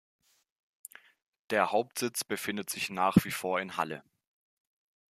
Der Hauptsitz befindet sich nach wie vor in Halle.